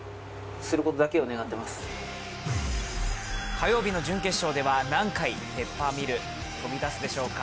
火曜日の準決勝では何回、ペッパーミル飛び出すでしょうか。